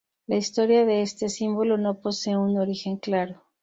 La historia de este símbolo no posee un origen claro.